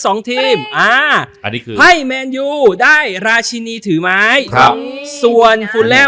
สองทีมอ่าอันนี้คือให้เมนย์ได้ราชินีถือไม้ส่วนที่